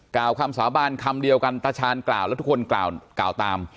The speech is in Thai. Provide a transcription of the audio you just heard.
กล่าวคำสาบานคำเดียวกันตาชาญกล่าวแล้วทุกคนกล่าวตาม